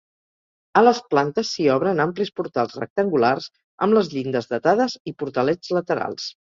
A les plantes s'hi obren amplis portals rectangulars amb les llindes datades i portalets laterals.